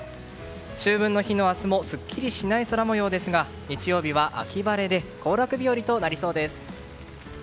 秋分の日の明日もすっきりしない空模様ですが日曜日は秋晴れで行楽日和となりそうです。